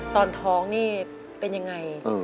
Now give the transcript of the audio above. ตอนท้องนี่เป็นยังไง